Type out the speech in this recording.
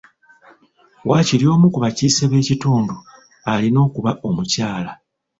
Waakiri omu ku bakiise b'ekitundu alina okuba omukyala.